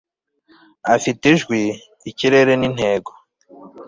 afite ijwi, ikirere n'intego